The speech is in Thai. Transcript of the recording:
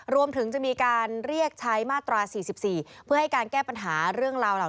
รวมถึงจะมีการเรียกใช้มาตรา๔๔เพื่อให้การแก้ปัญหาเรื่องราวเหล่า